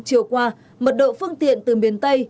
chiều qua mật độ phương tiện từ miền tây